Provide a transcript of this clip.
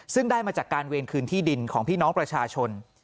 ซึ่งได้มาจากการเวรคืนที่ดินของพี่น้องประชาชน